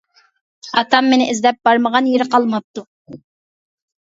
ئاتام مېنى ئىزدەپ بارمىغان يېرى قالماپتۇ.